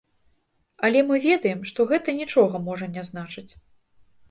Але мы ведаем, што гэта нічога можна не значыць.